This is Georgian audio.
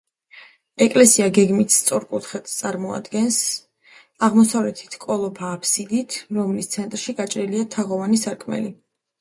ეკლესია გეგმით სწორკუთხედს წარმოადგენს, აღმოსავლეთით კოლოფა აბსიდით, რომლის ცენტრში გაჭრილია თაღოვანი სარკმელი.